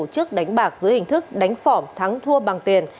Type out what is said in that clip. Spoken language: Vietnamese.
chức đánh bạc dưới hình thức đánh phỏm thắng thua bằng tiền